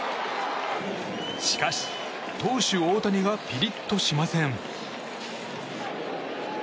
しかし投手・大谷がピリッとしません。